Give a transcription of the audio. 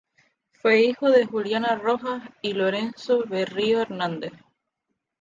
Fue hijo de Juliana Rojas y Lorenzo Berrío Hernández.